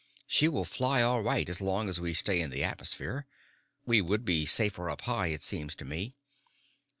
"She will fly all right as long as we stay in the atmosphere. We would be safer up high, it seems to me."